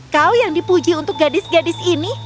kau yang dipuji untuk gadis gadis ini